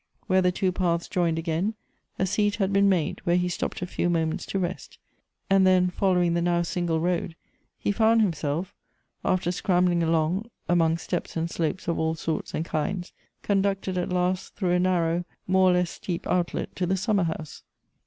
Where the two paths joined again, a seat had been made, where he stopped a few moments to rest; and then, following the now single road, he found himself, after scrambling along among stops and slopes of all sorts and kinds, conducted at last through a narrow more or less steep outlet to the summer house.